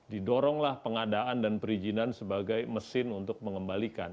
didoronglah pengadaan dan perizinan sebagai mesin untuk mengembalikan